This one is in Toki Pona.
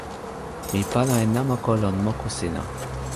mi pana e namako lon moku sina.